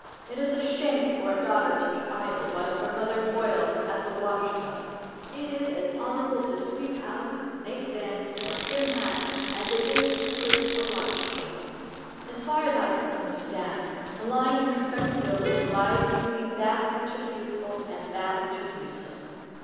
It is a shame for a daughter to be idle while her mother toils at the wash tub. It is as honorable to sweep house, make beds, or trim hats, as it is to twist a watch chain. As far as I can understand, the line of respectability lies between that which is useful and that which is useless.